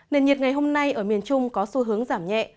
nền nhiệt ngày hôm nay ở miền trung có xu hướng giảm nhẹ